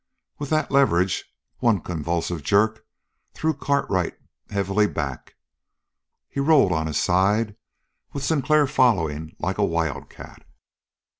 With that leverage one convulsive jerk threw Cartwright heavily back; he rolled on his side, with Sinclair following like a wildcat.